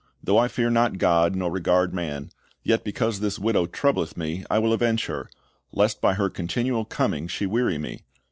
Though I fear not God, nor regard man; yet because this widow troubleth me, I will avenge her, lest by her continual coming she weary me.